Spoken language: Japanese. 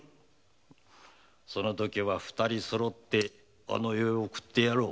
そのときは二人そろってあの世へ送ってやろう。